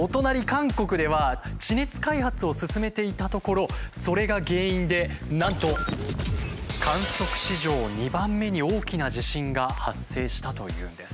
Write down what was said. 韓国では地熱開発を進めていたところそれが原因でなんと観測史上２番目に大きな地震が発生したというんです。